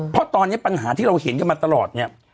เพราะตอนนี้ปัญหาที่เราเห็นกันมาตลอดเนี่ย